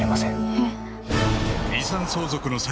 「えっ！？」